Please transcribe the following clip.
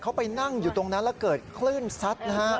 เขาไปนั่งอยู่ตรงนั้นแล้วเกิดคลื่นซัดนะฮะ